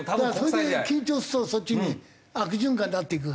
それで緊張するとそっちに悪循環になっていく。